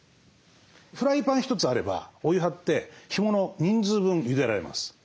フライパン一つあればお湯張って干物を人数分ゆでられます。